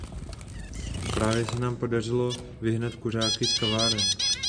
Právě se nám podařilo vyhnat kuřáky z kaváren.